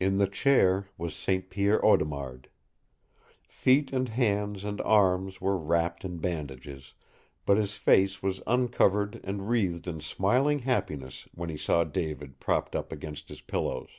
In the chair was St. Pierre Audemard. Feet and hands and arms were wrapped in bandages, but his face was uncovered and wreathed in smiling happiness when he saw David propped up against his pillows.